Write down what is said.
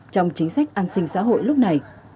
trong chính sách an sinh xã hội lúc này